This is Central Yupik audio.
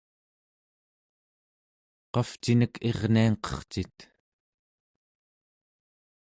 qavcinek irniangqercit?